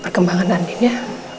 perkembangan andin ya